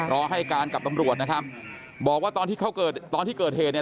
รอให้การกับตำรวจนะครับบอกว่าตอนที่เขาเกิดตอนที่เกิดเหตุเนี่ย